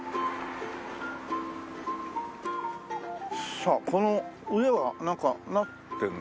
さあこの上はなんかなってるの？